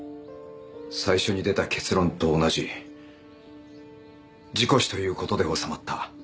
最初に出た結論と同じ事故死という事で収まった。